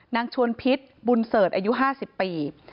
นางชวนพิษบุญเสิร์ชอายุ๕๐ปี